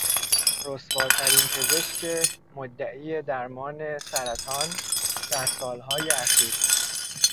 رسواترین پزشک مدعی درمان سرطان در سالهای اخیر